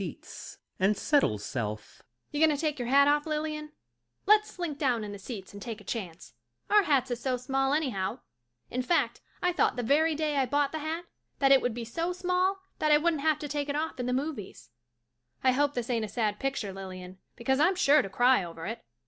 (Climbs over two or three seats and settles self.)* Y'gonna take yer hat off, Lilian ? Let's slink down in the seats and take a chance — our hats is so small any how; in fact I thought the very day I bought the hat that it would be so small that I wouldn't hafta take it off in the movies. I hope this ain't a sad picture, Lilian, because I'm sure to cry over it.